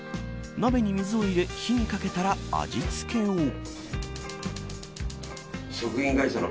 鍋に水を入れ火にかけたら味付けを。